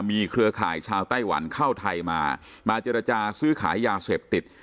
มีเครือข่ายชาวไต้หวันเข้าไทยมามาเจรจาซื้อขายยาเสพติด